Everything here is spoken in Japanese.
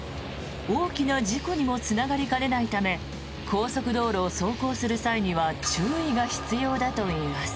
大きな事故にもつながりかねないため高速道路を走行する際には注意が必要だといいます。